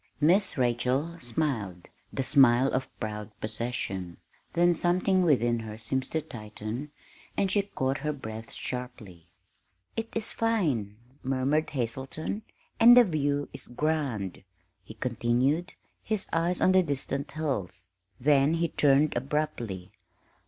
Miss Rachel smiled the smile of proud possession; then something within her seemed to tighten, and she caught her breath sharply. "It is fine!" murmured Hazelton; "and the view is grand!" he continued, his eyes on the distant hills. Then he turned abruptly.